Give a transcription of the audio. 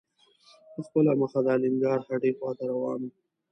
په خپله مخه د الینګار هډې خواته روان و.